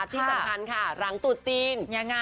ที่สำคัญค่ะหลังตุ๊จีน